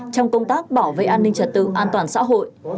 trong công tác bảo vệ an ninh trật tự an toàn xã hội